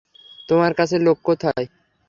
তোমার কাছের লোক কোথায়?